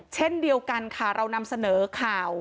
เช่นเดียวกันค่ะเรานำเสนอข่าว